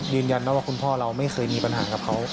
ยืนยันนะว่าคุณพ่อเราไม่เคยมีปัญหากับเขา